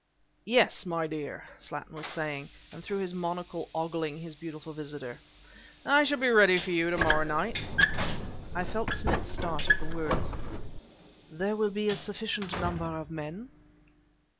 "Yes, my dear," Slattin was saying, and through his monocle ogling his beautiful visitor, "I shall be ready for you to morrow night." I felt Smith start at the words. "There will be a sufficient number of men?"